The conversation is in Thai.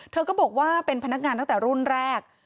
เธอก็บอกว่าเป็นพนักงานตั้งแต่รุ่นแรก